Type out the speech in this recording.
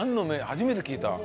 初めて聞いたわ。